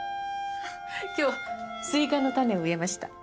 今日スイカの種を植えました。